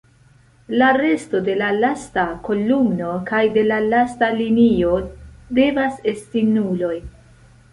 La resto de la lasta kolumno kaj de la lasta linio devas esti nuloj.